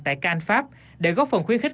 tại cannes pháp để góp phần khuyến khích